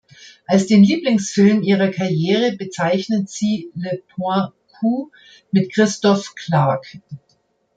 Als den Lieblingsfilm ihrer Karriere bezeichnet sie "Le point Q" mit Christophe Clark.